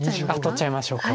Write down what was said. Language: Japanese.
取っちゃいましょうか。